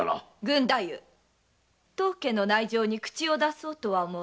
郡太夫当家の内情に口を出そうとは思わぬ。